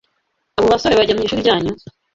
Abo basore bajya mwishuri ryanyu?